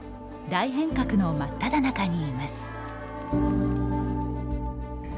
大変革の真っただ中にいます。